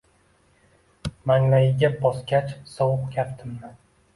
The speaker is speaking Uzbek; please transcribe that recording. Manglayiga bosgach sovuq kaftimni.